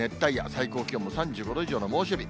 最高気温も３５度以上の猛暑日。